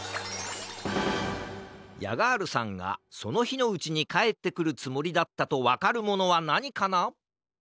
ヤガールさんがそのひのうちにかえってくるつもりだったとわかるものはなにかな？